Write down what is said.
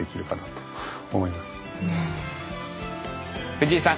藤井さん